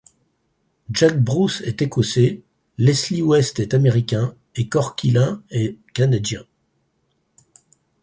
Jack Bruce est Écossais, Leslie West est Américain et Corky Laing est Canadien.